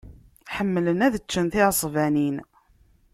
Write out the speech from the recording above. Ḥemmlen ad ččen tiɛesbanin.